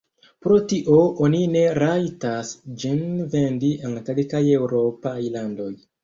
Pro tio oni ne rajtas ĝin vendi en kelkaj eŭropaj landoj.